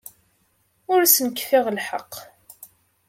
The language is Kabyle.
Ur asen-kfiɣ lḥeqq.